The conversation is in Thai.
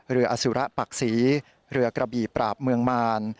อสุระปักศรีเรือกระบี่ปราบเมืองมาร